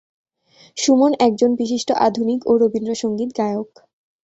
সুমন একজন বিশিষ্ট আধুনিক ও রবীন্দ্রসংগীত গায়ক।